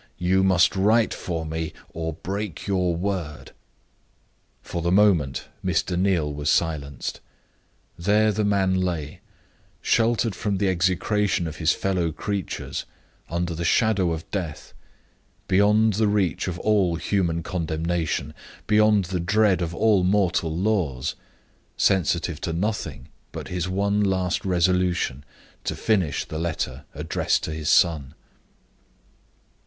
"You must write for me, or break your word." For the moment, Mr. Neal was silenced. There the man lay sheltered from the execration of his fellow creatures, under the shadow of Death beyond the reach of all human condemnation, beyond the dread of all mortal laws; sensitive to nothing but his one last resolution to finish the letter addressed to his son.